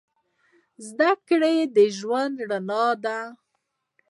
زدهکړه د ژوند رڼا ده